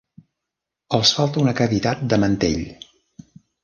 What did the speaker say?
Els falta una cavitat de mantell.